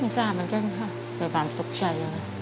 ไม่ทราบมันแกล้งถ้าในความตกใจ